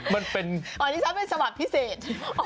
มันเป็นอ๋อนี่ฉันเป็นฉบับพิเศษ